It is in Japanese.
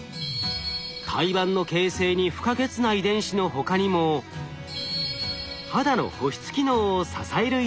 胎盤の形成に不可欠な遺伝子の他にも肌の保湿機能を支える遺伝子。